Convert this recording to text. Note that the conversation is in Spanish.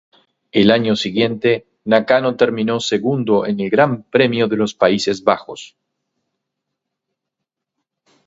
El año siguiente Nakano terminó segundo en el Gran Premio de los Países Bajos.